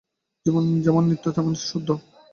জীব যেমন নিত্য, তেমনি শুদ্ধ।